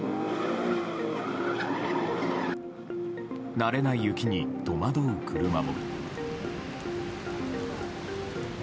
慣れない雪に戸惑う車も。